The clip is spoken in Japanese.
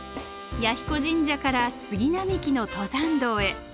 彌彦神社から杉並木の登山道へ。